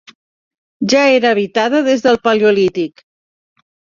Ja era habitada des del paleolític.